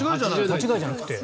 間違いじゃなくて？